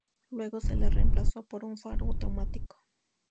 Luego se le reemplazó por un faro automático.